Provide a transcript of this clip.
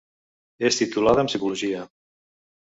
És titulada en psicologia.